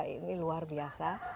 ini luar biasa